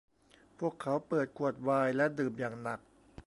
พวกเขาเปิดขวดไวน์และดื่มอย่างหนัก